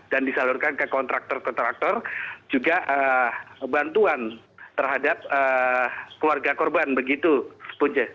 dan disalurkan ke kontraktor kontraktor juga bantuan terhadap keluarga korban begitu bunce